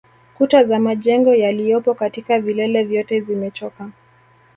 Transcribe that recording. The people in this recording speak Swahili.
Kuta za majengo yaliyopo katika vilele vyote zimechoka